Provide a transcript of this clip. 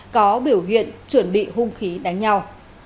có biểu hiện chuẩn bị hung khí đánh nhau